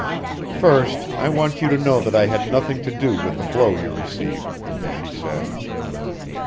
"First, I want you to know that I had nothing to do with the blow you received," she said.